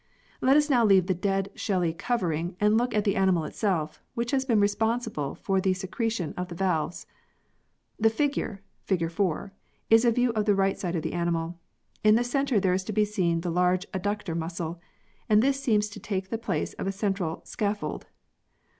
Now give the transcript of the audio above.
Let us now leave the dead shelly covering and look at the animal itself which has been responsible for the secretion of the valves. The figure (fig. 4) is a view of the right side of the animal. In the centre there is to be seen the large adductor muscle, and this seems to take the place of a central scaf fold.